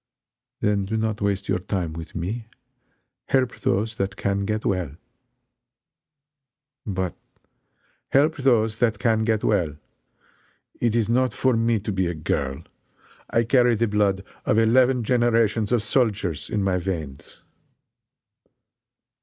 "Then do not waste your time with me help those that can get well." "But " "Help those that can get well! It is, not for me to be a girl. I carry the blood of eleven generations of soldiers in my veins!"